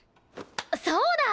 そうだ！